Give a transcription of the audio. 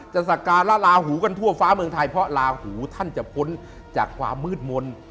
สการะลาหูกันทั่วฟ้าเมืองไทยเพราะลาหูท่านจะพ้นจากความมืดมนต์